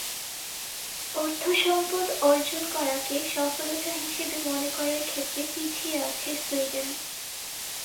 অর্থসম্পদ অর্জন করাকে সফলতা হিসেবে মনে করার ক্ষেত্রে পিছিয়ে আছে সুইডেন।